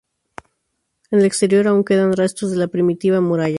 En el exterior aun quedan restos de la primitiva muralla.